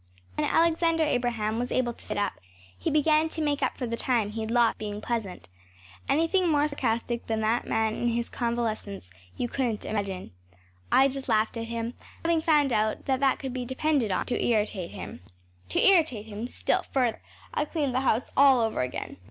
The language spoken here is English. When Alexander Abraham was able to sit up, he began to make up for the time he’d lost being pleasant. Anything more sarcastic than that man in his convalescence you couldn’t imagine. I just laughed at him, having found out that that could be depended on to irritate him. To irritate him still further I cleaned the house all over again.